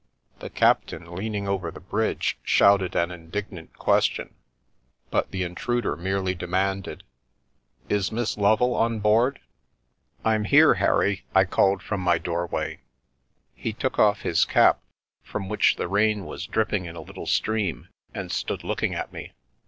The captain, leaning over the bridge, shouted an indignant question, but the intruder merely demanded :" Is Miss Lovel on board ?"" I'm here, Harry," I called from my doorway. He took off his cap, from which the rain was dripping in a little stream, and stood looking at me.